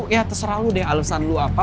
ya terserah lo deh alesan lo apa